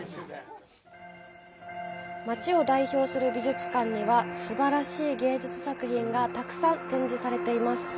街を代表する美術館には、すばらしい芸術作品がたくさん展示されています。